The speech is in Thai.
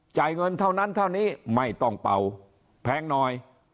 จ่ายเงินเท่านั้นเท่านี้ไม่ต้องเป่าแพงหน่อย